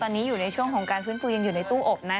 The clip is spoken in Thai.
ตอนนี้อยู่ในช่วงของการฟื้นฟูยังอยู่ในตู้อบนะ